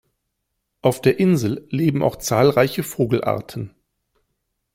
Auf der Insel leben auch zahlreiche Vogelarten.